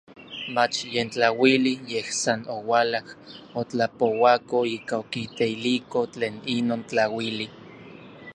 Mach yen tlauili, yej san oualaj otlapouako ika okiteiliko tlen inon tlauili.